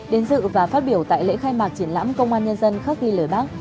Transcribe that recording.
đến dự và phát biểu tại lễ khai mạc triển lãm công an nhân dân khắc ghi lời bác